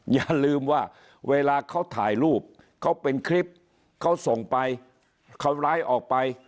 อย่าลืมว่าเวลาเขาถ่ายรูปเขาเป็นคลิปเขาส่งไปเขาไลฟ์ออกไป